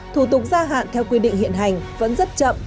thủ tục gia hạn theo quy định hiện hành vẫn rất chậm